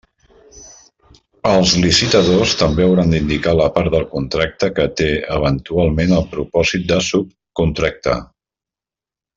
Els licitadors també hauran d'indicar la part del contracte que té eventualment el propòsit de subcontractar.